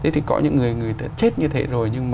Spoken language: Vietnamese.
thì có những người chết như thế rồi